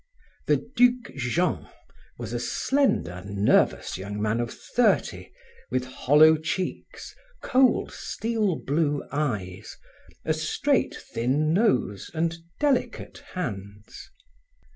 The Duc Jean was a slender, nervous young man of thirty, with hollow cheeks, cold, steel blue eyes, a straight, thin nose and delicate hands.